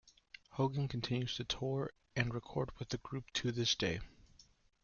Hogan continues to tour and record with the group to this day.